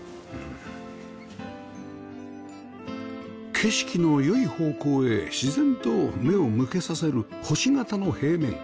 景色の良い方向へ自然と目を向けさせる星形の平面